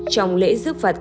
trong lễ giúp phật